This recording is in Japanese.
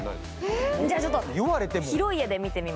じゃあちょっと広い絵で見てみましょう。